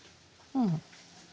うん。